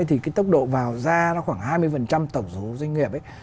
thì cái tốc độ vào ra nó khoảng hai mươi tổng số doanh nghiệp ấy